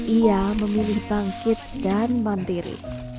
ia memilih bangkit dan mandiri